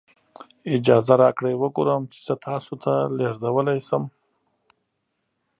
اجازه راکړئ وګورم چې زه تاسو ته لیږدولی شم.